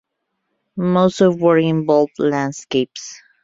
Most of work involved landscapes.